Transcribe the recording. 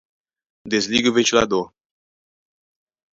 Desligue o ventilador